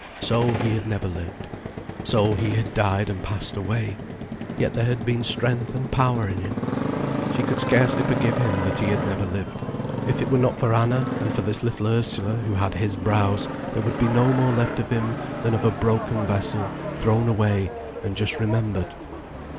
So, he had never lived. So, he had died and passed away. Yet there had been strength and power in him. She could scarcely forgive him that he had never lived. If it were not for Anna, and for this little Ursula, who had his brows, there would be no more left of him than of a broken vessel thrown away, and just remembered.